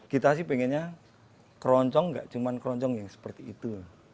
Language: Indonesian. kita sih pengennya kroncong enggak cuma kroncong yang seperti itu